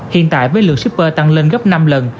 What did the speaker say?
hiện tại với lượng shipper tăng lên gấp năm lần